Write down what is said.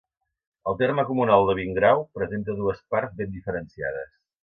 El terme comunal de Vingrau presenta dues parts ben diferenciades.